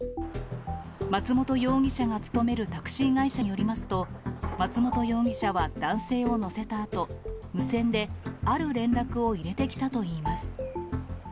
松元容疑者が勤めるタクシー会社によりますと、松元容疑者は男性を乗せたあと、無線である連絡を入れてきたといいます。